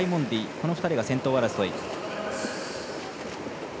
この２人が先頭争い。